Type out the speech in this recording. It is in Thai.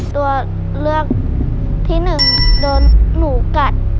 ตัวเลือกที่๑โดนหนูกัด